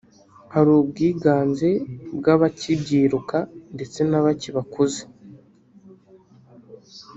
hari ubwiganze bw’abakibyiruka ndetse na bake bakuze